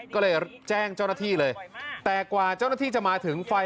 ก็เลยแจ้งเจ้าหน้าที่เลยแต่กว่าเจ้าหน้าที่จะมาถึงไฟ